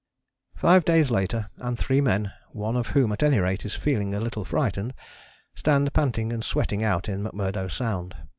Five days later and three men, one of whom at any rate is feeling a little frightened, stand panting and sweating out in McMurdo Sound.